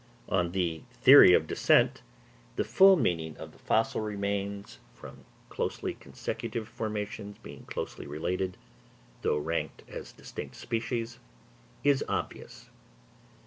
On the theory of descent, the full meaning of the fossil remains from closely consecutive formations, being closely related, though ranked as distinct species, is obvious.